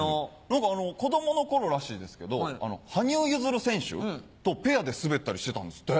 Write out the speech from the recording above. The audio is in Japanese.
何か子供の頃らしいですけど羽生結弦選手とペアで滑ったりしてたんですって。